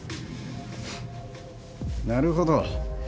なるほど。